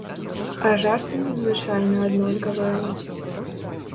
А жарты звычайна аднолькавыя.